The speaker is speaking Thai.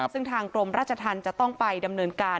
ซึ่งทางกรมราชธรรมจะต้องไปดำเนินการ